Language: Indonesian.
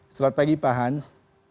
selamat pagi pak hans